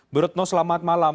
burutno selamat malam